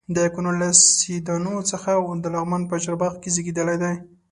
د کونړ له سیدانو څخه و د لغمان په چارباغ کې زیږېدلی دی.